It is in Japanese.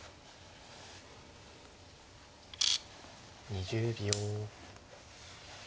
２０秒。